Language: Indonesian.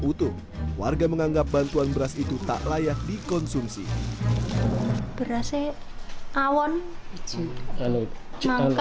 utuh warga menganggap bantuan beras itu tak layak dikonsumsi berasnya awon cipta luka